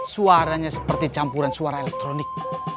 suaranya seperti campuran suara elektronik